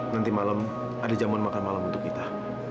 nanti malam ada jamuan makan malam untuk kita